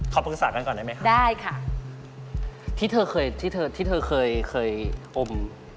ขอบประกฏศาสตร์กันก่อนได้ไหมครับได้ค่ะที่เธอเคยอม